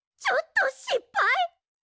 ちょっとしっぱい？